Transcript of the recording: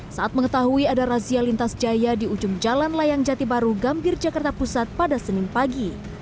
saat mengetahui ada razia lintas jaya di ujung jalan layang jati baru gambir jakarta pusat pada senin pagi